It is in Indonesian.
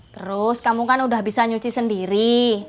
terus kamu kan udah bisa nyuci sendiri